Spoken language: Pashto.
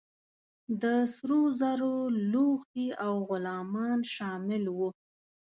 د سرو زرو لوښي او غلامان شامل وه.